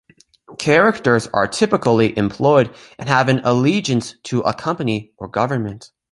Characters are typically employed and have an allegiance to a company or government.